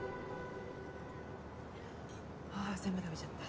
あぁ全部食べちゃった。